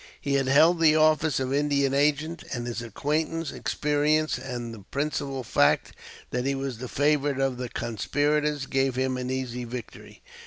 He had held the office of Indian Agent, and his acquaintance, experience, and the principal fact that he was the favorite of the conspirators gave him an easy victory.